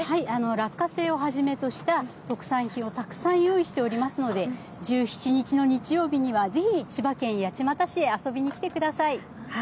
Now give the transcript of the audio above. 落花生をはじめとした特産品をたくさん用意しておりますので１７日の日曜日にはぜひ千葉県八街市へ遊びに来てください。